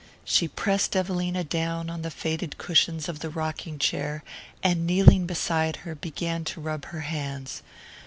She pressed Evelina down on the faded cushions of the rocking chair, and, kneeling beside her, began to rub her hands.